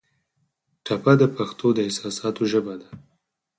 ټپه د پښتو د احساساتو ژبه ده.